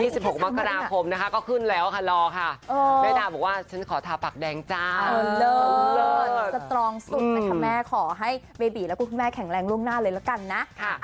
ชอบคนท้องทำงานหนักหรือว่า